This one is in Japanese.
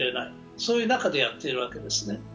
そういう中でやっているわけですね。